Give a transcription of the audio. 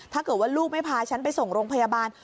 ถ้าเกิดว่าลูกไม่พาฉันไปส่งโรงพยาบาล